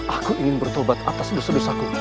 aku ingin bertobat atas dosa dosa aku